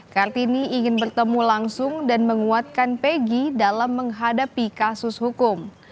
kartini ingin bertemu langsung dan menguatkan pegi dalam menghadapi kasus hukum